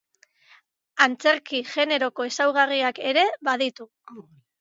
Antzerki generoko ezaugarriak ere baditu.